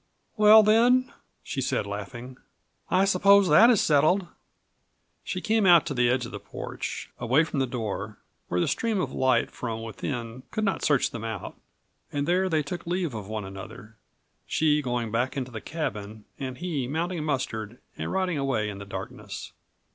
"Well, then," she said, laughing, "I suppose that is settled." She came out to the edge of the porch, away from the door, where the stream of light from within could not search them out, and there they took leave of one another, she going back into the cabin and he mounting Mustard and riding away in the darkness.